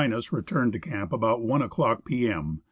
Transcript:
returned to camp about i o'clock p.m.